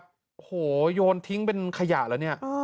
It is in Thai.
โอ้โหโยนทิ้งเป็นขยะแล้วเนี่ย